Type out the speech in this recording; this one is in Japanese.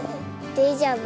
デジャブ。